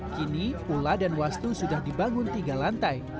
kini pula dan wastu sudah dibangun tiga lantai